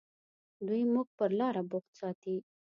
دوی موږ پر لاره بوخت ساتي.